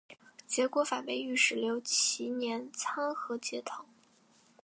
结果反被御史刘其年参劾结党。